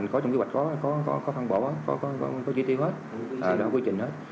có trong kế hoạch đó có phân bộ đó có chi tiêu hết có quy trình hết